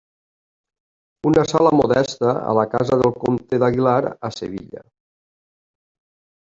Una sala modesta a la casa del comte d'Aguilar a Sevilla.